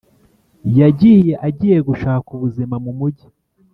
Yagiye agiye gushaka ubuzima mu mujyi